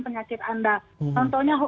penyakit anda contohnya